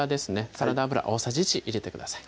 サラダ油大さじ１入れてください